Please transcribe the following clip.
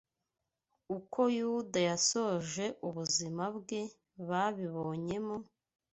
Uko Yuda yasoje ubuzima bwe babibonyemo